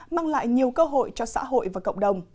mang lại nhiều cơ hội cho xã hội và cộng đồng